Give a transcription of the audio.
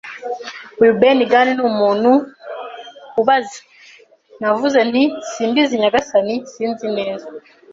“Uyu Ben Gunn ni umuntu?” abaza. Navuze nti: “Simbizi, nyagasani, sinzi neza